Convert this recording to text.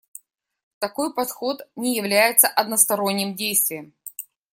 Такой подход не является односторонним действием.